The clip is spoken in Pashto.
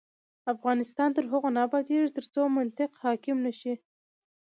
افغانستان تر هغو نه ابادیږي، ترڅو منطق حاکم نشي.